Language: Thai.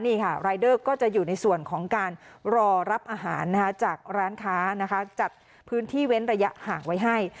นี่ค่ะรายเดอร์ก็จะอยู่ในส่วนของการรอรับอาหารจากร้านค้านะคะจัดพื้นที่เว้นระยะห่างไว้ให้